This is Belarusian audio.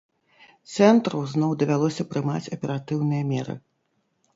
Цэнтру зноў давялося прымаць аператыўныя меры.